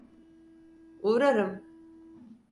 Uğrarım.